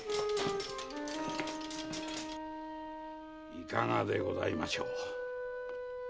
いかがでございましょう？